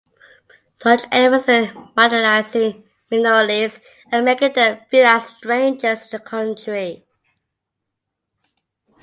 Such efforts are marginalising minorities and making them feel like strangers in their country.